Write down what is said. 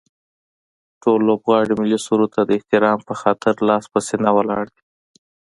ټول لوبغاړي ملي سرود ته د احترام به خاطر لاس په سینه ولاړ دي